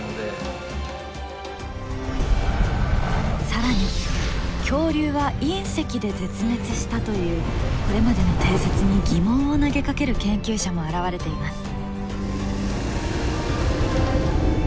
更に恐竜は隕石で絶滅したというこれまでの定説に疑問を投げかける研究者も現れています。